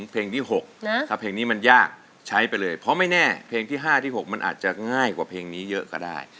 เพลงที่๖ถ้าเพลงนี้มันยากใช้ไปเลยเพราะไม่แน่เพลงที่๕ที่๖มันอาจจะง่ายกว่าเพลงนี้เยอะก็ได้